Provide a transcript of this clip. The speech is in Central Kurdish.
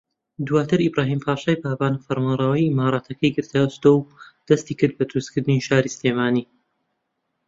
دواتر ئیبراھیم پاشای بابان فەرمانڕەوایی ئیمارەتەکەی گرتە ئەستۆ و دەستیکرد بە دروستکردنی شاری سلێمانی